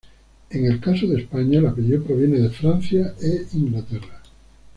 En el caso de España el apellido proviene de Francia e Inglaterra.